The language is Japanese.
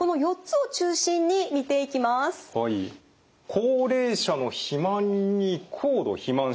高齢者の肥満に高度肥満症。